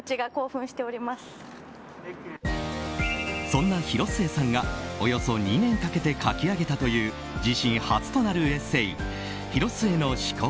そんな広末さんがおよそ２年かけて書き上げたという自身初となるエッセー「ヒロスエの思考